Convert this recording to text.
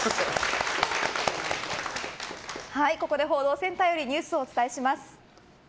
ここで報道センターよりニュースをお伝えします。